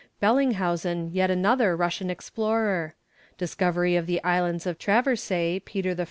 Bellinghausen, yet another Russian explorer Discovery of the islands of Traversay, Peter I.